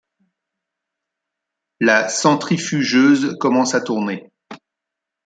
La centrifugeuse commence à tourner.